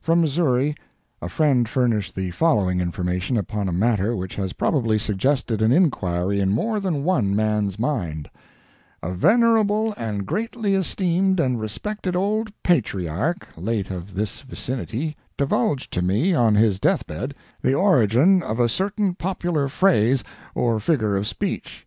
From Missouri a friend furnished the following information upon a matter which has probably suggested an inquiry in more than one man's mind: "A venerable and greatly esteemed and respected old patriarch, late of this vicinity, divulged to me, on his death bed, the origin of a certain popular phrase or figure of speech.